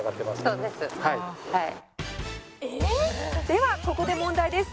「ではここで問題です」